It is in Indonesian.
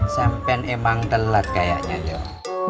sampean emang telat kayaknya dong